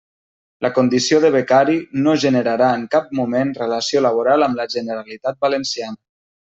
La condició de becari no generarà en cap moment relació laboral amb la Generalitat Valenciana.